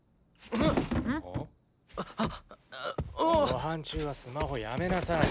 ご飯中はスマホやめなさい。